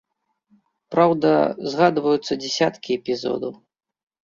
Праўда, згадваюцца дзясяткі эпізодаў.